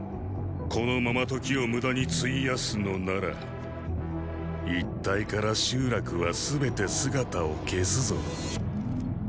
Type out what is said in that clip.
このまま時を無駄に費やすのなら一帯から集落は全て姿を消すぞ。